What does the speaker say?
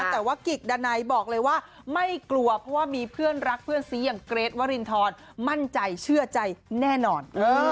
แต่ว่ากิกดาไนบอกเลยว่าไม่กลัวเพราะว่ามีเพื่อนรักเพื่อนซีอย่างเกรทวรินทรมั่นใจเชื่อใจแน่นอน